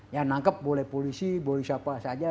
ya nangkep boleh polisi boleh siapa saja